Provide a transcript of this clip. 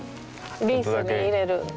リースに入れる。